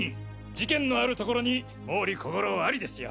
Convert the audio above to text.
事件のあるところに毛利小五郎ありですよ！